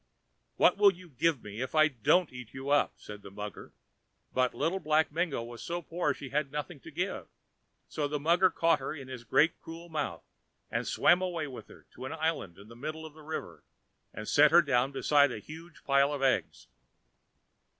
"What will you give me if I don't eat you up?" said the mugger. But Little Black Mingo was so poor she had nothing to give. So the mugger caught her in his great cruel mouth and swam away with her to an island in the middle of the river, and set her down beside a huge pile of eggs.